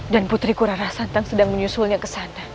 dan putriku rara santang sedang menyusulnya ke sana